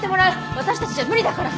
私たちじゃ無理だから。